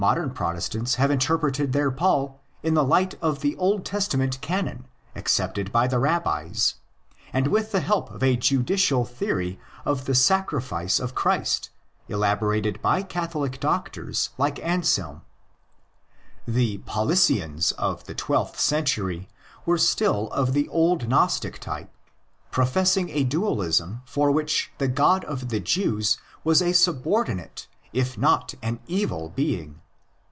56 THE ORIGINS OF CHRISTIANITY Protestants have interpreted their Paul in the light of the Old Testament canon accepted by the Rabbis, and with the help of a juridical theory of the sacrifice of Christ elaborated by Catholic doctors like Anselm. The Paulicians of the twelfth century were still of the old Gnostic type, professing a dualism for which the God of the Jews was a subordinate if not an evil being.